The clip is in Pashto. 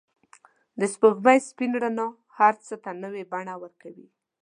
د سپوږمۍ سپین رڼا هر څه ته نوی بڼه ورکوي.